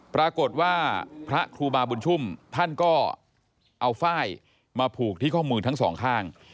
ปรากฏว่าพระครูบาบุญชุ่มท่านก็เอาฝ้ายมาผูกที่ข้อมือทั้งสองข้าง